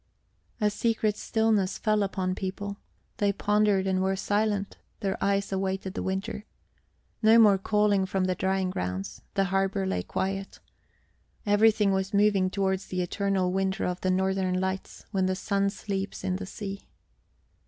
A secret stillness fell upon people; they pondered and were silent; their eyes awaited the winter. No more calling from the drying grounds: the harbour lay quiet. Everything was moving towards the eternal winter of the northern lights, when the sun sleeps in the sea.